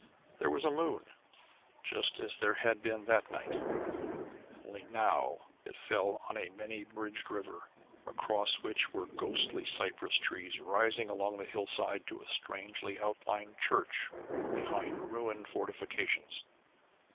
There was a moon just as there had been that night, only now it fell on a many bridged river across which were ghostly cypress trees, rising along the hillside to a strangely outlined church behind ruined fortifications.